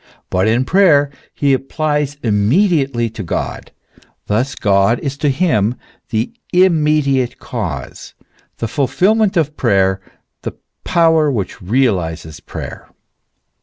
* But in prayer he applies immediately to God. Thus G od is to him the immediate cause, the fulfilment of prayer, the power which realizes prayer.